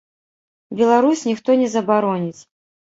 Беларусь, ніхто не забароніць.